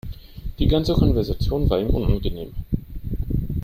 Die ganze Konversation war ihm unangenehm.